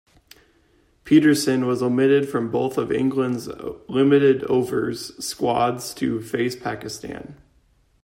Pietersen was omitted from both of England's limited-overs squads to face Pakistan.